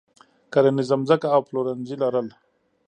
کرنیزه ځمکه او پلورنځي لرل.